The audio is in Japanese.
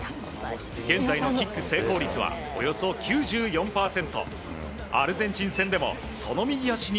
現在のキック成功率はおよそ９４％。